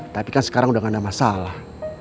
tapi kan sekarang udah gak ada masalah